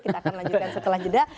kita akan lanjutkan setelah jeda